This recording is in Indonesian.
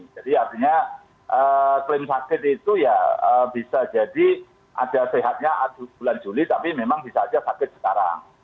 jadi artinya klaim sakit itu ya bisa jadi ada sehatnya bulan juli tapi memang bisa saja sakit sekarang